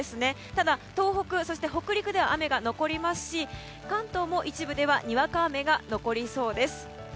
ただ東北、そして北陸では雨が残りますし関東も一部ではにわか雨が残りそうです。